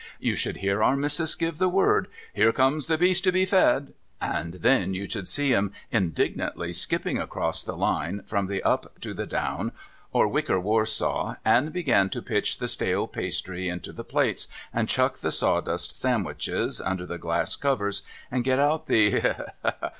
You should hear Our Missis give the word, ' Here comes the Beast to be Fed !' and then you should see 'em indignantly skipping across the Line, from the Up to the Down, or Wicer Warsaw, and begin to pitch the stale pastry into the plates, and chuck the sawdust sangwiches under the glass covers, and get out the — ha, ha, ha